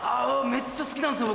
めっちゃ好きなんですよ